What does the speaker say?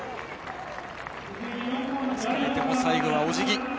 疲れても最後はおじぎ。